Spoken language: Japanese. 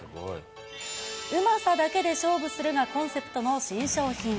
うまさだけで勝負するがコンセプトの新商品。